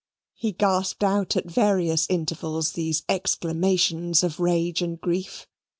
He gasped out at various intervals these exclamations of rage and grief.